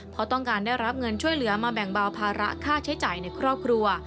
เพราะต้องการได้รับเงินช่วยเหลือมาแบ่งเบาภาระค่าใช้จ่ายในครอบครัว